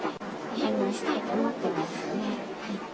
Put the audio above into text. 返納したいと思っていますね。